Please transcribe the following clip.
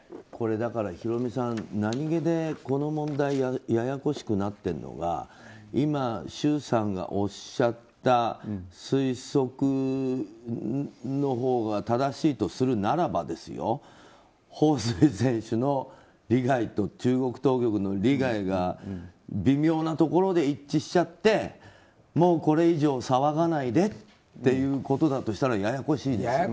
だから、ヒロミさん何気にこの問題ややこしくなっているのは今、周さんがおっしゃった推測のほうが正しいとするならばホウ・スイ選手の利害と中国当局の利害が微妙なところで一致しちゃってこれ以上騒がないでということだとしたらややこしいですよね。